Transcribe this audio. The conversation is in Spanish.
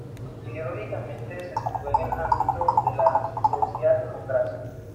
Ideológicamente se sitúa en el ámbito de la socialdemocracia.